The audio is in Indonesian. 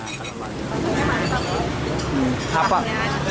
masakannya mana pak